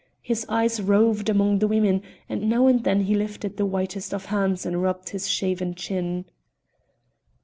His eyes roved among the women, and now and then he lifted the whitest of hands and rubbed his shaven chin.